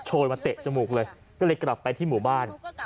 ก็เลยกลับไปที่หมู่บ้าน